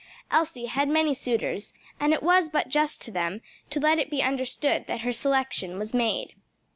Elsie had many suitors, and it was but just to them to let it be understood that her selection was made.